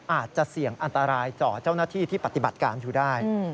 อาจจะเสี่ยงอันตรายต่อเจ้าหน้าที่ที่ปฏิบัติการอยู่ได้